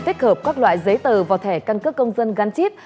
kết hợp các loại giấy tờ vào thẻ căn cứ công dân gắn chip